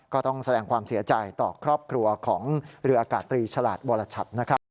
ก็ต้องแสดงความเสียใจต่อครอบครัวของเรืออากาศตรีฉลาดวรชัดนะครับ